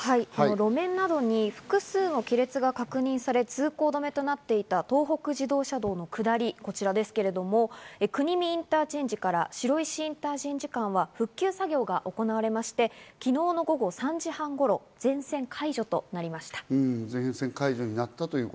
路面などに複数の亀裂が確認され、通行止めとなっていた東北自動車道の下り、こちらですけれども、国見インターチェンジから白石インターチェンジ間は復旧作業が行われまして、昨日の午後３時半頃、全線解除となりました。